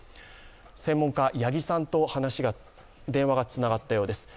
専門家・八木さんと電話がつながったようです。